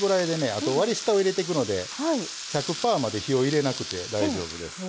あと割り下を入れてくので１００パーまで火を入れなくて大丈夫です。